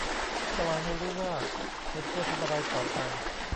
สวรรค์รู้ว่าฉันควรทำอะไรต่อไป